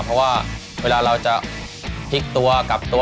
เพราะว่าเวลาเราจะพลิกตัวกลับตัว